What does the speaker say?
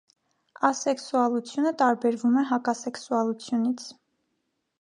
Ասեքսուալությունը տարբերվում է հակասեքսուալությունից։